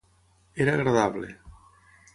Era agradable.